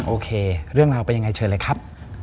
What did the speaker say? โอเคเรื่องราวเป็นยังไงเชิญเลยครับ